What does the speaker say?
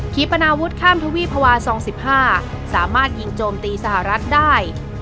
ีปนาวุฒิข้ามทวีภาวะซอง๑๕สามารถยิงโจมตีสหรัฐได้